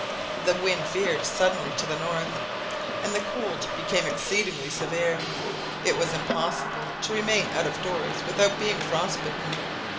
The wind veered suddenly to the north, and the cold became exceedingly severe. It was impossible to remain out of doors without being frost bitten.